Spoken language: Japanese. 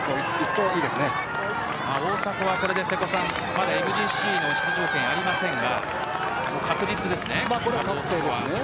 大迫はまだＭＧＣの出場権がありませんがこれで確実です。